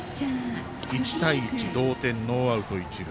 １対１、同点ノーアウト、一塁。